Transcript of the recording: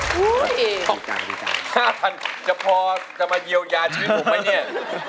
๕๐๐๐บาทจะพอจะมาเยียวยาชีวิตผมไหมเนี่ย